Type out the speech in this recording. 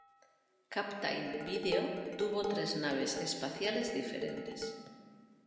Captain Video tuvo tres naves espaciales diferentes.